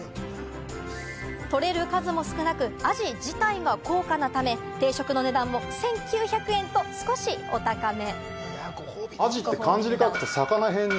とれる数も少なく、アジ自体が高価なため、定食の値段も１９００円と少しお高め。